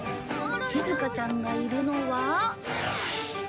しずかちゃんがいるのは。